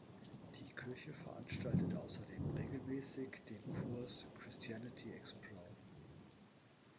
Die Kirche veranstaltet außerdem regelmäßig den Kurs Christianity Explored.